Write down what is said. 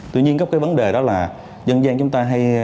tuy nhiên gốc cái vấn đề đó là dân gian chúng ta hay